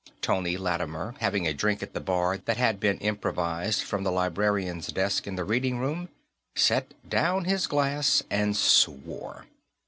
Tony Lattimer, having a drink at the bar that had been improvised from the librarian's desk in the Reading Room, set down his glass and swore.